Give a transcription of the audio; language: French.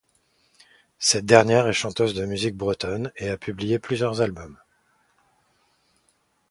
Cette dernière est chanteuse de musique bretonne et a publié plusieurs albums.